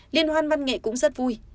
liên hoan măn nghệ cũng rất vui